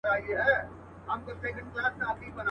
ما چي هلمند ته ترانې لیکلې.